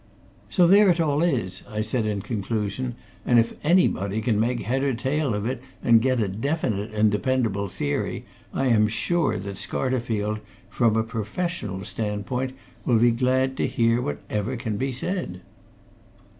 "So there it all is," I said in conclusion, "and if anybody can make head or tail of it and get a definite and dependable theory, I am sure that Scarterfield, from a professional standpoint, will be glad to hear whatever can be said."